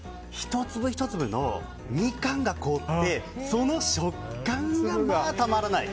１粒１粒、ミカンが凍ってその食感が、まあたまらない。